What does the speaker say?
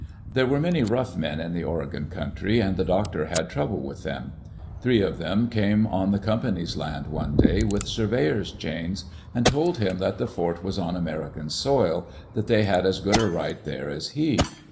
There were many rough men in the Oregon country, and the doctor had trouble with them. Three of them came on the company's land one day, with surveyors' chains, and told him that the fort was on American soil ; that they had as good right there as he.